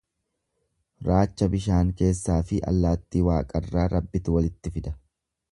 Raacha bishaan keessaafi allaattii waaqarraa Rabbitu walitti fida.